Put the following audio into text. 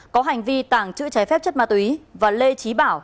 có hành vi tàng trữ trái phép chất ma túy và lê trí bảo